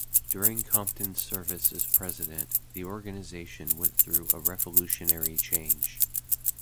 During Compton's service as President, the organization went through a revolutionary change.